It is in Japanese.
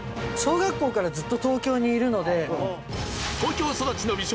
小学校からずっと東京にいるので。